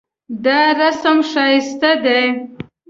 دا رسم ښایسته دی